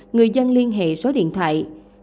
người dân liên hệ số điện thoại